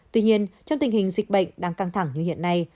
tuy nhiên trong tình hình dịch bệnh đang căng thẳng như hiện nay